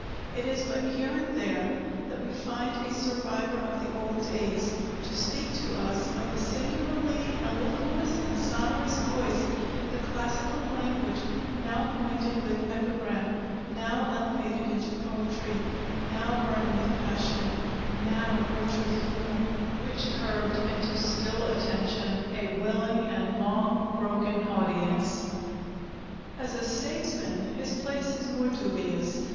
It is but here and there that we find a survivor of the old days to speak to us of the singularly mellifluous and sonorous voice, the classical language, now pointed with epigram, now elevated into poetry, now burning with passion, now rich with humor, which curbed into still attention a willing and long broken audience." As a statesman his place is more dubious.